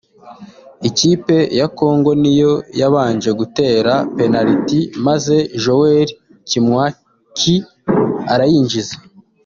Ikipe ya Congo niyo yabanje gutera Penaliti maze Joel Kimwaki arayinjiza